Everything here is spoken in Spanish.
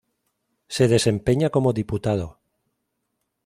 Se desempeña como diputado.